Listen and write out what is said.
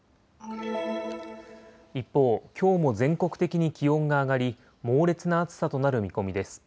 一方、きょうも全国的に気温が上がり猛烈な暑さとなる見込みです。